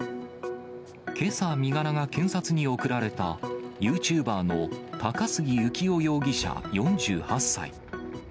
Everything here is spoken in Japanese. けさ身柄が検察に送られたユーチューバーの高杉幸男容疑者４８歳。